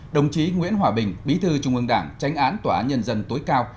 đồng chí nguyễn hòa bình bí thư trung ương đảng tránh án tòa án nhân dân tối cao